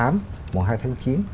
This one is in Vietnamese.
mùa hai tháng chín